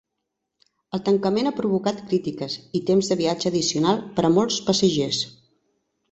El tancament ha provocat crítiques i temps de viatge addicional per a molts passatgers.